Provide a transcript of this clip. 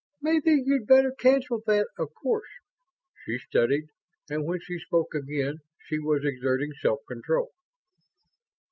"Maybe you'd better cancel that 'of course'...." She studied, and when she spoke again she was exerting self control.